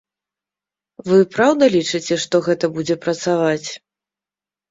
Вы праўда лічыце, што гэта будзе працаваць?